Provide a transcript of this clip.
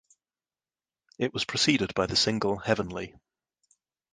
It was preceded by the single "Heavenly".